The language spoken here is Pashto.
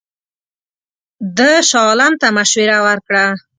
ده شاه عالم ته مشوره ورکړه.